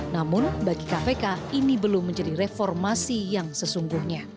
namun bagi kpk ini belum menjadi reformasi yang sesungguhnya